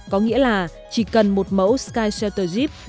có nghĩa là chỉ cần một mẫu sky celter jeep